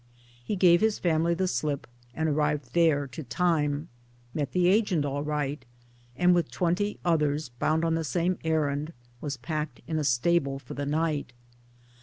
He gave his family the slip 1 , and arrived there to time ; met the agent all right, and with twenty others bound on the same errand was packed in a stable for the night.